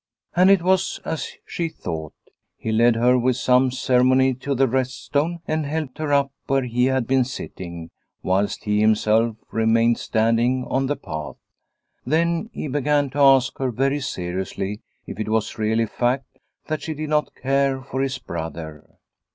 And it was as she thought. He led her with some ceremony to the Rest Stone and helped her up where he had been sitting, 244 Liliecrona's Home whilst he himself remained standing on the path. Then he began to ask her very seriously if it was really a fact that she did not care for his brother.